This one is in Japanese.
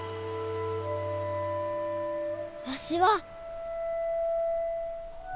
わしは。